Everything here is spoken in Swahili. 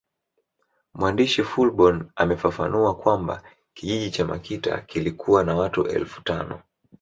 Mwandishi Fullborn amefafanua kwamba kijiji cha Makita kilikuwa na watu elfu tano